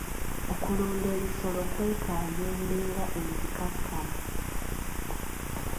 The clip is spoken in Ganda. Okulunda ebisolo kwetaaga embeera enzikakkamu.